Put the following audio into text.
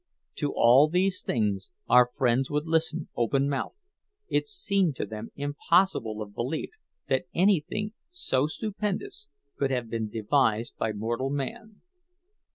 To all of these things our friends would listen open mouthed—it seemed to them impossible of belief that anything so stupendous could have been devised by mortal man.